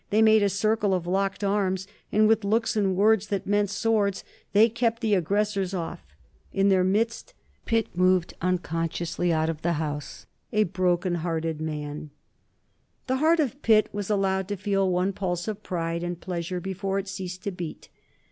They made a circle of locked arms, and with looks and words that meant swords they kept the aggressors off. In their midst Pitt moved unconsciously out of the House a broken hearted man. [Sidenote: 1806 Death of Pitt] The heart of Pitt was allowed to feel one pulse of pride and pleasure before it ceased to beat.